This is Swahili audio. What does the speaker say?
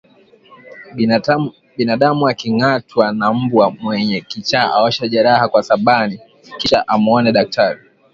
Binadamu akingatwa na mbwa mwenye kichaa aoshe jeraha kwa sabani kisha amuone daktari